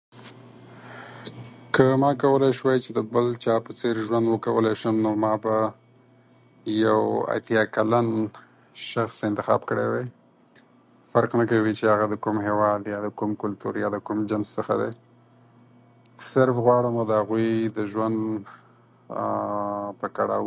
که ما کولای شوای چې د بل چا په څېر ژوند وکولای شم، نو ما به یو اتیا کلن شخص انتخاب کړی وای. فرق نه کوي چې هغه د کوم هېواد، کوم کلتور، کوم جنس څخه دی؛ صرف غواړم د هغوی د ژوند د کړاو